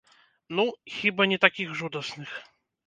Ну, хіба, не такіх жудасных.